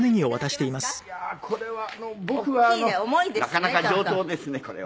なかなか上等ですねこれは。